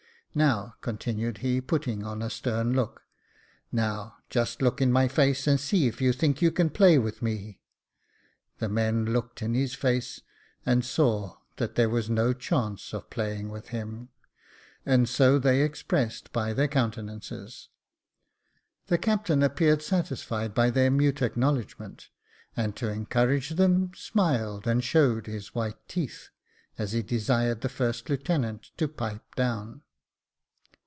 Now," continued he, putting on a stern look —" now just look in my face, and see if you think you can play with me." The men looked in his face, and saw that there was no chance of playing with him ; and so they expressed by their countenances. The captain appeared satisfied by their mute acknowledgments, and to encourage them, smiled, and showed his white teeth, as he desired the first lieutenant to pipe down.